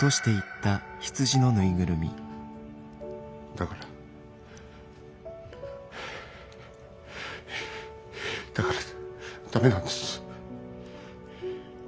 だからはあだからダメなんです。